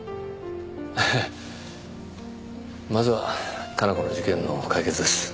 ええまずは加奈子の事件の解決です